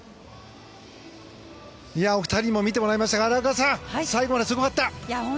お二人にも見てもらいましたが、荒川さん最後まで、すごかった。